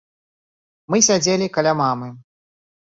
Мы сядзелі каля мамы.